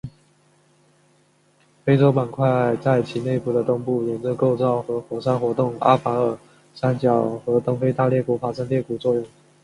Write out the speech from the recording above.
非洲板块在其内部的东部沿着构造和火山活动区阿法尔三角和东非大裂谷发生裂谷作用。